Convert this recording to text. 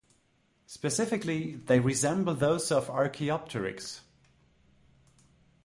Specifically, they resemble those of "Archaeopteryx".